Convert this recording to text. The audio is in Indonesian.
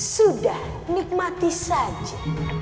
sudah nikmati saja